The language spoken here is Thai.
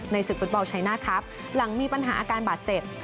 ศึกฟุตบอลชัยหน้าครับหลังมีปัญหาอาการบาดเจ็บ